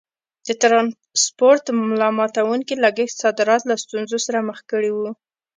د ټرانسپورټ ملا ماتوونکي لګښت صادرات له ستونزو سره مخ کړي وو.